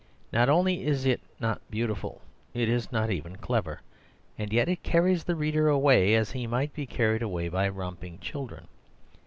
Not only is it not beautiful, it is not even clever, and yet it carries the reader away as he might be carried away by romping children.